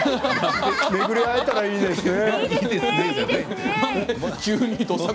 「めぐり逢えたら」いいですね。